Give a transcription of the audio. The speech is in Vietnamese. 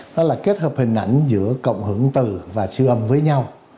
đó là kết hợp hình ảnh giữa cọng hưởng tư và siêu âm với nhau